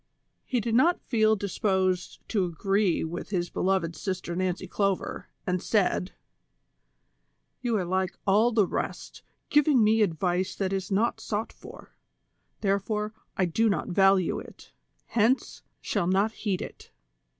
He did not feel disposed to agree with his beloved Sister Nancy Clover, and said :" You are like all the rest, giving me advice that is not sought for ; therefore, I do not value it ; hence, shall not heed it.